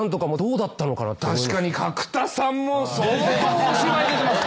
確かに角田さんも相当お芝居出てます。